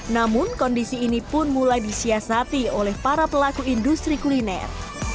namun kondisi ini pun mulai disiasati oleh para pelaku industri kuliner